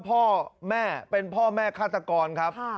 พ่อแม่เป็นพ่อแม่ฆาตกรครับ